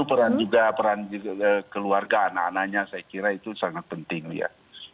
peran juga peran keluarga anak anaknya saya kira itu sangat penting ya